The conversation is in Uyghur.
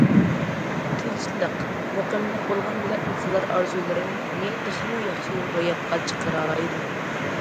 تىنچلىق، مۇقىملىق بولغاندىلا ئىنسانلار ئارزۇلىرىنى تېخىمۇ ياخشى روياپقا چىقىرالايدۇ.